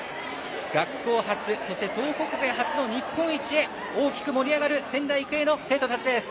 学校初そして東北勢初の日本一へ大きく盛り上がる仙台育英の生徒たちです。